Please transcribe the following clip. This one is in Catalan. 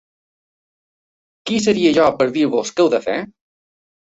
Qui seria jo per dir-vos què heu de fer?